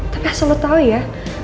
tapi asal lo tau ya